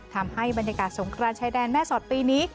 ทำให้บรรยากาศสงครานชายแดนแม่สอดปีนี้